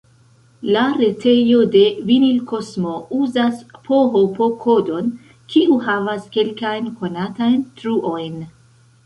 La retejo de Vinilkosmo uzas php-kodon, kiu havas kelkajn konatajn truojn.